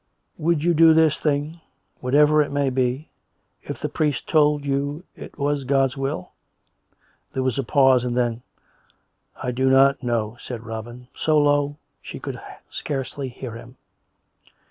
" Would you do this thing — whatever it may be — if the priest told you it was God's will ?" There was a pause; and then: " I do not know," said Robin, so low she could scarcely hear him.